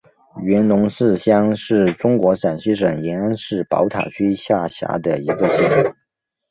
元龙寺乡是中国陕西省延安市宝塔区下辖的一个乡。